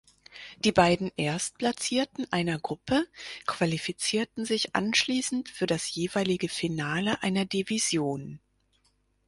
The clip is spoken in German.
Die beiden erstplatzierten einer Gruppe qualifizierten sich anschließend für das jeweilige Finale einer Division.